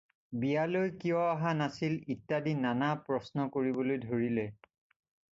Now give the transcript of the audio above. বিয়ালৈ কিয় অহা নাছিল ইত্যাদি নানা প্ৰশ্ন কৰিবলৈ ধৰিলে।